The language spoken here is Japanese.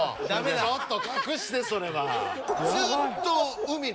ちょっと隠してそれは。